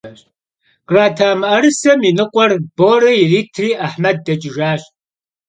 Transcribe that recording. Khrata mı'erısem yi nıkhuer Bore yiritri Ahmed deç'ıjjaş.